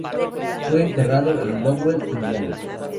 Fue enterrado en Lowell, Indiana.